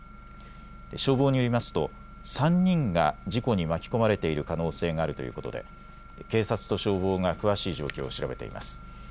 消防によりますと３人が事故に巻き込まれている可能性があるということで警察と消防が詳しい状況を調べています。